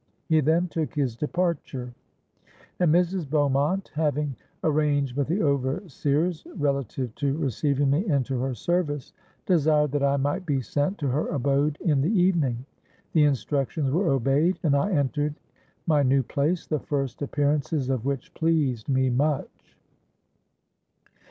'—He then took his departure; and Mrs. Beaumont, having arranged with the overseers relative to receiving me into her service, desired that I might be sent to her abode in the evening. The instructions were obeyed; and I entered my new place, the first appearances of which pleased me much.